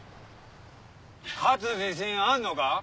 勝つ自信あんのか？